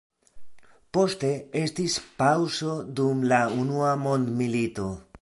Poste estis paŭzo dum la unua mondmilito.